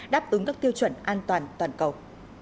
đáp ứng các tiêu chuẩn an toàn toàn cầu